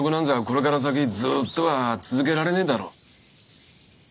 これから先ずっとは続けられねえだろう。